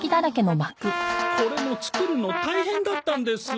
これも作るの大変だったんです。